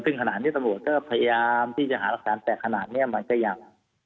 ซึ่งขนาดนี้สมุทรก็พยายามที่จะหารักฐานแตกขนาดนี้มันเจ้ายับ